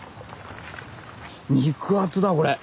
肉厚だこれ！